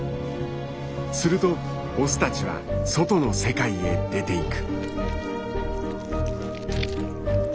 するとオスたちは外の世界へ出て行く。